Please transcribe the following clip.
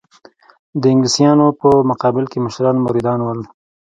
د انګلیسیانو په مقابل کې مشران مریدان ول.